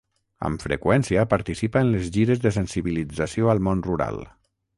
Amb freqüència participa en les gires de sensibilització al món rural.